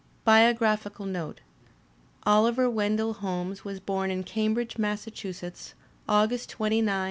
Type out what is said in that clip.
BIOGRAPHICAL NOTE Oliver Wendell Holmes was bom in Cambridge, Massa chusetts, August 29, 1809.